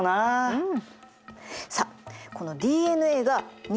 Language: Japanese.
うん。